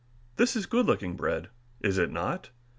This is good looking bread, is it not?